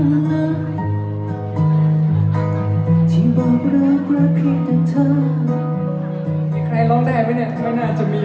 ใครร้องได้มั้ยเนี่ย